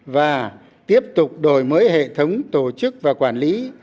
và tiếp tục đổi mới hệ thống tổ chức và quản lý